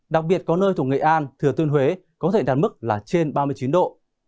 đặc biệt có nơi thủ nghệ an thừa thiên huế có thể đạt mức là trên ba mươi chín độ